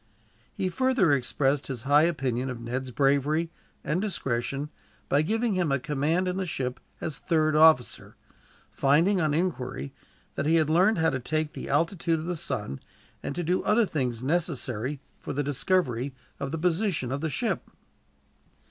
He further expressed his high opinion of Ned's bravery, and discretion, by giving him a command in the ship as third officer; finding, on inquiry, that he had learned how to take the altitude of the sun, and to do other things necessary for the discovery of the position of the ship.